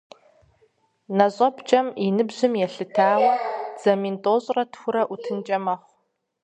НэщIэпкIэм и ныбжьым елъытауэ, дзэ мин тIощIрэ тху IутынкIэ мэхъу.